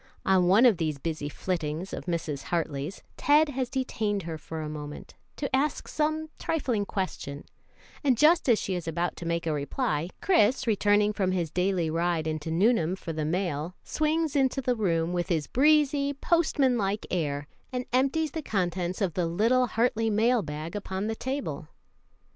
On one of these busy flittings of Mrs. Hartley's, Ted has detained her for a moment, to ask some trifling question, and just as she is about to make a reply, Chris, returning from his daily ride into Nuneham for the mail, swings into the room with his breezy, postman like air, and empties the contents of the little Hartley mail bag upon the table.